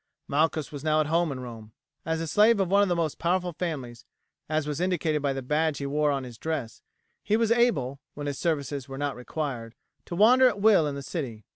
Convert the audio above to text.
Malchus was now at home in Rome. As a slave of one of the most powerful families, as was indicated by the badge he wore on his dress, he was able, when his services were not required, to wander at will in the city.